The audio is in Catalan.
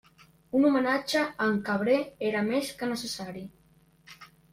Un homenatge a en Cabré era més que necessari.